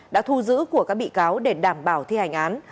đã thu giữ của các bị cáo để đảm bảo thi hành án